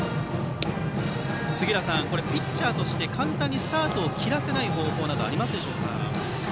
杉浦さん、ピッチャーとして簡単にスタートを切らせない方法などありますでしょうか。